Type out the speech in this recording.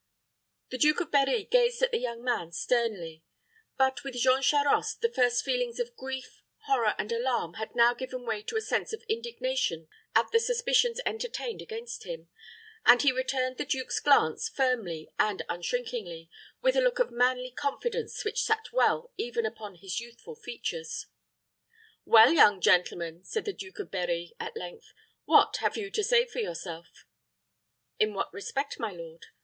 The Duke of Berri gazed at the young man sternly; but with Jean Charost, the first feelings of grief, horror, and alarm had now given way to a sense of indignation at the suspicions entertained against him, and he returned the duke's glance firmly and unshrinkingly, with a look of manly confidence which sat well even upon his youthful features. "Well, young gentleman," said the Duke of Berri, at length, "what have you to say for yourself?" "In what respect, my lord?"